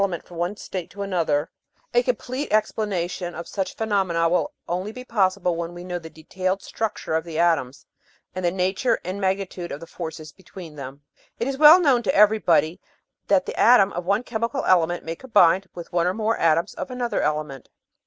The Romance of Chemistry 717 another, a complete explanation of such phenomena will only be possible when we know the detailed structure of the atoms and the nature and magnitude of the forces between them. 1 It is well known to everybody that the atom of one chemical element may combine with one or more atoms of another element.